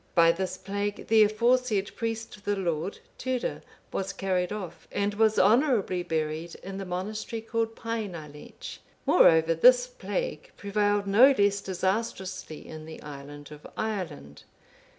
By this plague the aforesaid priest of the Lord, Tuda,(486) was carried off, and was honourably buried in the monastery called Paegnalaech.(487) Moreover, this plague prevailed no less disastrously in the island of Ireland.